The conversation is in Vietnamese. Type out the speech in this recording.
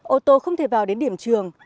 ô tô không thể vào đến điểm trường